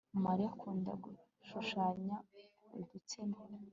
Mariya akunda gushushanya udutsima